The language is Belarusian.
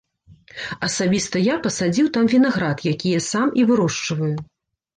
Асабіста я пасадзіў там вінаград, якія сам і вырошчваю.